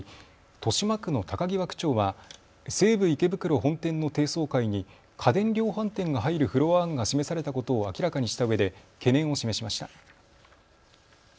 豊島区の高際区長は西武池袋本店の低層階に家電量販店が入るフロア案が示されたことを明らかにしたうえで懸念を示しました。